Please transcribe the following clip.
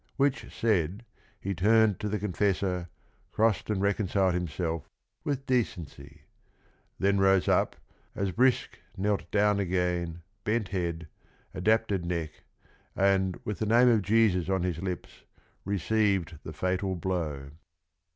Which said, he turned to the confessor, crossed And reconciled himself, with decency, ...— then rose up, as brisk Knelt down again, bent head, adapted neck, And, with the name of Jesus on his lips, Received the fatal blow."